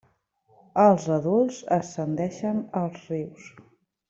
Els adults ascendeixen als rius.